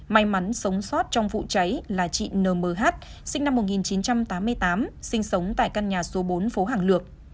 may mắn sống sót trong vụ cháy là chị n mh sinh năm một nghìn chín trăm tám mươi tám sinh sống tại căn nhà số bốn phố hàng lược